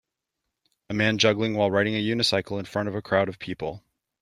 A man juggling while riding a unicycle in front of a crowd of people.